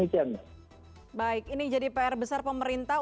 baik ini jadi pr besar pemerintah untuk melihat nanti dalam beberapa waktu kedatangan